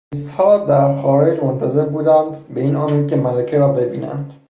توریستها در خارج منتظر بودند به این امید که ملکه را ببینند.